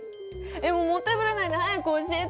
もうもったいぶらないで早く教えて！